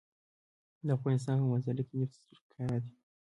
د افغانستان په منظره کې نفت ښکاره دي.